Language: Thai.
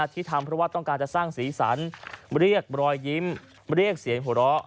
ที่ทำเพราะว่าต้องการจะสร้างสีสันเรียกรอยยิ้มเรียกเสียงหัวเราะ